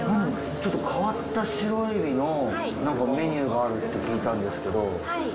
ちょっと変わったシロエビのメニューがあるって聞いたんですけど。